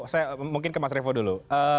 saya mungkin ke mas revo dulu